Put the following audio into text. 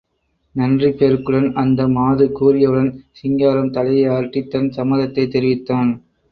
நன்றிப் பெருக்குடன் அந்த மாது கூறியவுடன், சிங்காரம் தலையை ஆட்டித் தன் சம்மதத்தைத் தெரிவித்தான்.